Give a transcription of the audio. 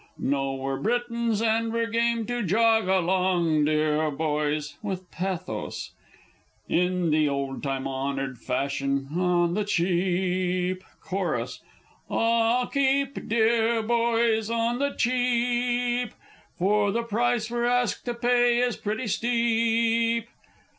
No! we're Britons, and we're game to jog along, deah boys! (With pathos.) In the old time honoured fashion On the Cheap! Chorus. (Imploringly.) Ah! keep, deah boys! On the Cheap; For the price we're asked to pay is pretty steep.